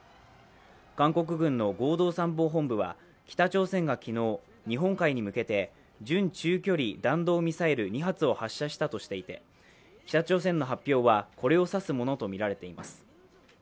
韓国軍の合同参謀本部は北朝鮮が昨日、日本海に向けて準中距離弾道ミサイル２発を発射したとしていて北朝鮮の発表はこれをさすものとみられています。